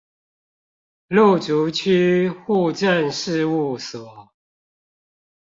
路竹區戶政事務所